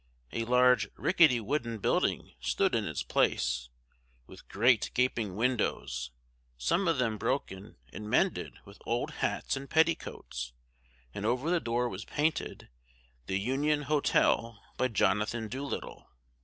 A large rickety wooden building stood in its place, with great gaping windows, some of them broken, and mended with old hats and petticoats, and over the door was painted, "The Union Hotel, by Jonathan Doolittle."